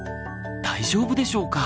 大丈夫でしょうか？